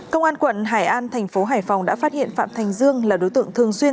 công an quận hải an thành phố hải phòng đã phát hiện phạm thành dương là đối tượng thường xuyên